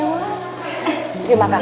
terima kasih banyak ya